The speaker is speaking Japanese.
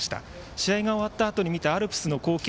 試合が終わったあとに見たアルプスの光景。